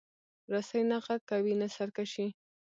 رسۍ نه غږ کوي، نه سرکشي.